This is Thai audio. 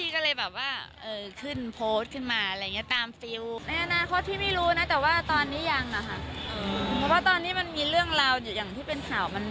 ความรู้สึกดีตอนนี้ยกมีกันอยู่ไหม